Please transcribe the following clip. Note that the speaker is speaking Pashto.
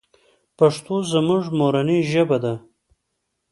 پښتو زموږ مورنۍ ژبه ده .